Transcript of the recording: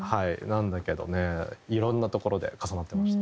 なんだけどねいろんなところで重なってました。